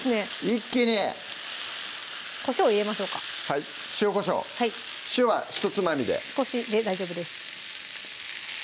一気にこしょう入れましょうかはい塩・こしょう塩はひとつまみで少しで大丈夫です